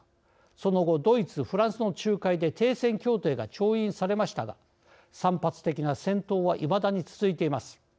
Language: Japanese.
その後ドイツ、フランスの仲介で停戦協定が調印されましたが散発的な戦闘はいまだに続いています。